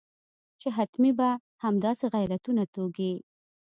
چې حتمي به همداسې غیرتونه توږي.